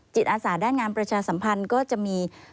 อาสาด้านงานประชาสัมพันธ์ก็จะมี